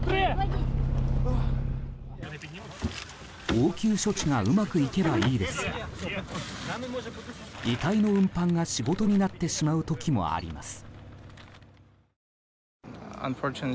応急処置がうまくいけばいいですが遺体の運搬が、仕事になってしまう時もあります。